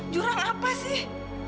jurang apa sih